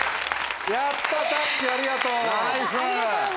やったたいしありがとう。